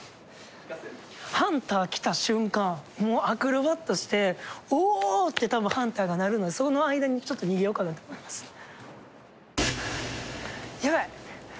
ハンター来た瞬間アクロバットして「おおー」ってたぶんハンターがなるのでその間にちょっと逃げようかなと思います。